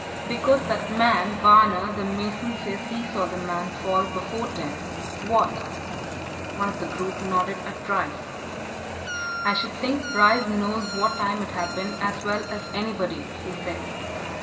"Because that man, Varner, the mason, says he saw the man fall before ten. What?" One of the group nodded at Bryce. "I should think Bryce knows what time it happened as well as anybody," he said.